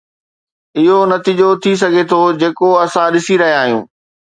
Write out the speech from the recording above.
اهو نتيجو ٿي سگهي ٿو جيڪو اسان ڏسي رهيا آهيون.